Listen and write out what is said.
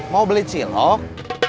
mau beli cilok